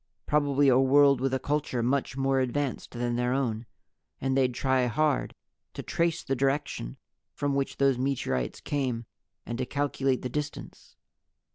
Probably a world with a culture much more advanced than their own. And they'd try hard to trace the direction from which those meteorites came, and to calculate the distance.